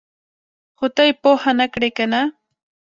ـ خو ته یې پوهه نه کړې کنه!